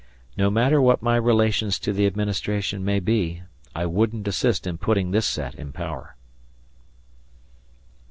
No matter what my relations to the administration may be, I wouldn't assist in putting this set in power."